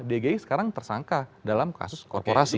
dgi sekarang tersangka dalam kasus korporasi